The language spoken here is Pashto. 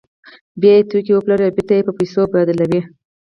بیا توکي پلوري او بېرته یې په پیسو بدلوي